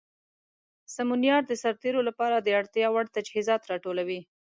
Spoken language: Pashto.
سمونیار د سرتیرو لپاره د اړتیا وړ تجهیزات راټولوي.